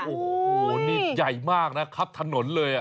โอ้โหนี่ใหญ่มากนะครับถนนเลย